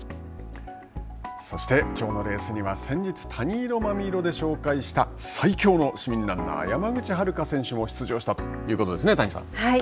そしてきょうのレースには先日、たに色まみ色で紹介した最強の市民ランナー山口遥選手も出場したということですね。